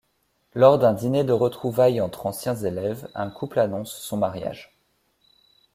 Lors d'un dîner de retrouvailles entre anciens élèves, un couple annonce son mariage.